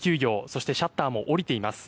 そして、シャッターも下りています。